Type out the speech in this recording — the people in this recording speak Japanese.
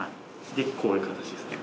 でこういう形ですね。